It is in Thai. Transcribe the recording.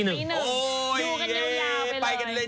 อยู่กันยาวไปเลย